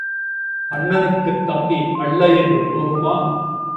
அண்ணனுக்குத் தம்பி அல்ல என்று போகுமா?